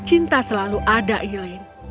cinta selalu ada elaine